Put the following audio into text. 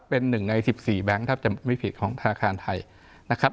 เป็นหนึ่งใน๑๔แบงค์แทบจะไม่ผิดของธนาคารไทยนะครับ